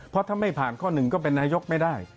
เพราะถ้าไม่ผ่านข้อหนึ่งก็เป็นนายกไม่ได้